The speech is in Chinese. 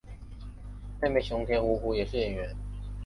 妹妹熊田胡胡也是演员。